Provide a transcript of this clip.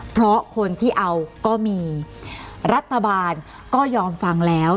เพราะคนที่เอาก็มีรัฐบาลก็ยอมฟังแล้ว